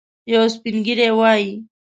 یو سپین ږیری وايي.